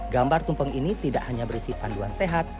gambar tumpeng ini tidak hanya berisi panduan sehat